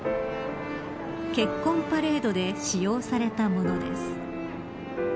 結婚パレードで使用されたものです。